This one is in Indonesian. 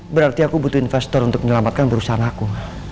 berarti aku butuh investor untuk menyelamatkan perusahaan aku